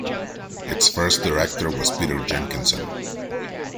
Its first Director was Peter Jenkinson.